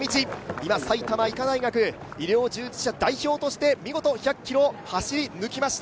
今、埼玉医科大学グループ、医療従事者代表として見事１００ｋｍを走り抜きました。